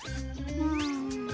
うん。